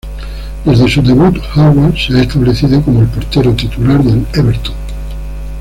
Desde su debut, Howard se ha establecido como el portero titular del Everton.